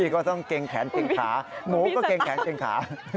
ก็ต้องค้างนะก็ไม่ได้ขยับหมูคือหลุดค่ะ